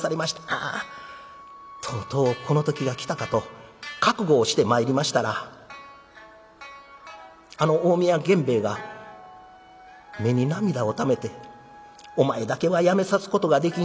『ああとうとうこの時が来たか』と覚悟をして参りましたらあの近江屋源兵衛が目に涙をためて『お前だけはやめさすことができん。